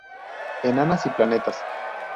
Enanas y planetas.